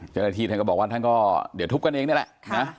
เจ้าหน้าที่ท่านก็บอกว่าท่านก็เดี๋ยวทุบกันเองนี่แหละนะ